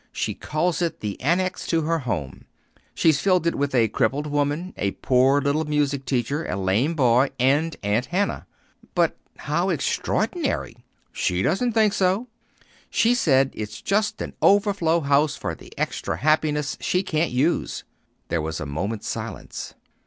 She calls it the Annex to her home. She's filled it with a crippled woman, a poor little music teacher, a lame boy, and Aunt Hannah." "But how extraordinary!" "She doesn't think so. She says it's just an overflow house for the extra happiness she can't use." There was a moment's silence.